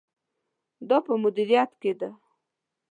دا په مدیریت کې ده.